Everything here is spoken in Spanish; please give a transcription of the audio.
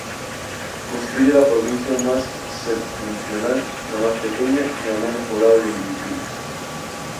Constituye la provincia más septentrional, la más pequeña y la menos poblada de Filipinas.